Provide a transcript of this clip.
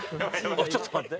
ちょっと待って。